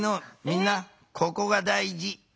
みんなここがだいじ。